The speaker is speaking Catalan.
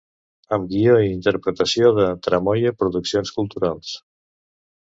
Amb guió i interpretació de Tramoia Produccions Culturals.